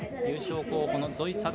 優勝候補のゾイ